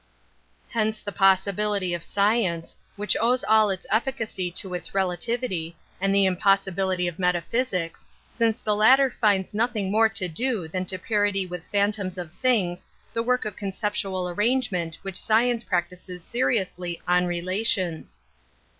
Hence the possi bility of science, which owes all its efficacy to its relativity, and the impossibility of metaphysics, since the latter finds nothing more to do than to parody with phantoms of things the work of conceptual arrangement which science practises seriously on rela tions.